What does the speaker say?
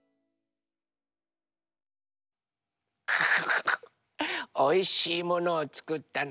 フフフおいしいものをつくったの。